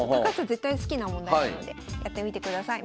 絶対好きな問題なのでやってみてください。